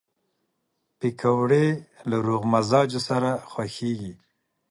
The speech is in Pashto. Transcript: پکورې له روغ مزاجو سره خوښېږي